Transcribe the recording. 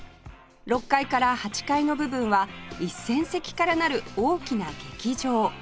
６階から８階の部分は１０００席からなる大きな劇場